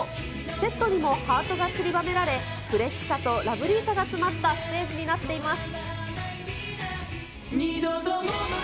セットにもハートがちりばめられ、フレッシュさとラブリーさが詰まったステージになっています。